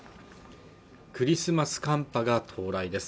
クリスマス寒波が到来です